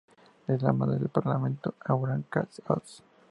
Es la madre del parlamentario Abraham Katz-Oz.